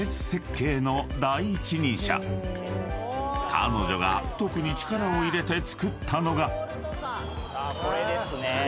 ［彼女が特に力を入れて造ったのが］